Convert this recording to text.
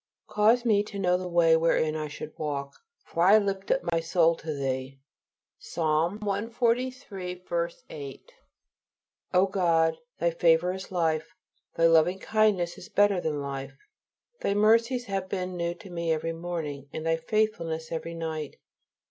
"Cause me to know the way wherein I should walk; for I lift up my soul unto Thee." Psalm cxliii. 8. O God, Thy favor is life, Thy loving kindness is better than life. Thy mercies have been new to me every morning, and Thy faithfulness every night.